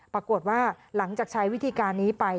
ปรากฏว่าหลังจากใช้วิธีการนี้ไป